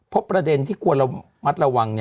พบประเด็นที่กลัวเรามัดระวัง